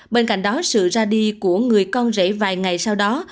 bên cạnh đó sự ra đi của người con rể vài ngày sau đó